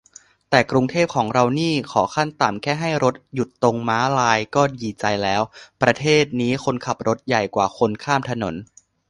แต่กรุงเทพของเรานี่ขอขั้นต่ำแค่ให้รถหยุดตรงม้าลายก็ดีใจแล้ว - ประเทศนี้คนขับรถใหญ่กว่าคนข้ามถนน